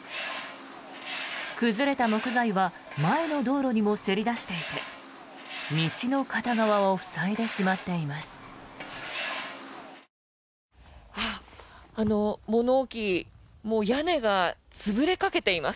崩れた木材は前の道路にもせり出していて道の片側を塞いでしまっています。